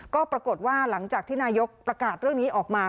ก็ปรากฏว่าหลังจากที่นายกประกาศเรื่องนี้ออกมา